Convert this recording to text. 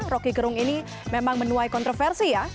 roky gerung ini memang menuai kontroversi ya